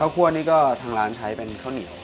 คั่วนี่ก็ทางร้านใช้เป็นข้าวเหนียว